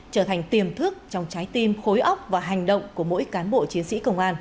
trở thành tiềm thức trong trái tim khối ốc và hành động của mỗi cán bộ chiến sĩ